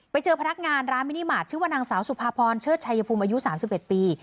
ไปเจอพนักงานร้านมินิมาตรชื่อว่านางสาวสุภาพรเชิดชัยภูมิอายุ๓๑ปี